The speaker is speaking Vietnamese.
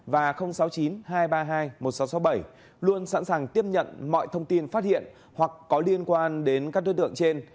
và sáu mươi chín hai trăm ba mươi hai một nghìn sáu trăm sáu mươi bảy luôn sẵn sàng tiếp nhận mọi thông tin phát hiện hoặc có liên quan đến các đối tượng trên